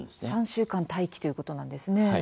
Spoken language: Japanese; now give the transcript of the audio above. ３週間待機ということなんですね。